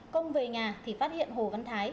công về nhà thì phát hiện hồ văn thái